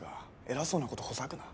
偉そうなことほざくな